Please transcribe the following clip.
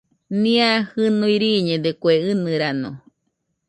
Nia jinui riiñede kue ɨnɨrano